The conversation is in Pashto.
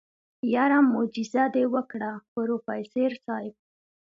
يره موجيزه دې وکړه پروفيسر صيب.